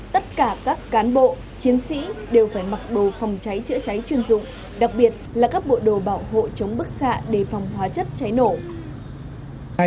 tất cả các cán bộ chiến sĩ đều phải mặc đồ phòng cháy chữa cháy chuyên dụng